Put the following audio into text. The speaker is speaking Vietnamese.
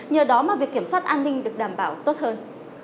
nhờ đó mà việc kiểm soát an ninh được đảm bảo tốt hơn